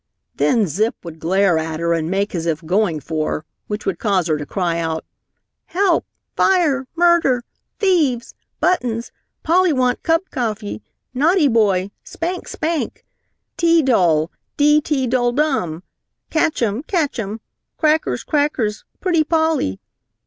Then Zip would glare at her and make as if going for her, which would cause her to cry out, "Help! Fire! Murder! Thieves! Buttons! Polly want cup coffee! Naughty boy, spank, spank! Tee dull, dee tee dull dum! Catchum! Catchum! Crackers, crackers, pretty Polly!"